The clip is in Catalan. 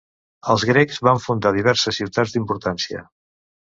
Els grecs van fundar diverses ciutats d'importància.